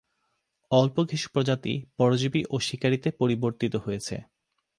অল্প কিছু প্রজাতি পরজীবী ও শিকারীতে পরিবর্তীত হয়েছে।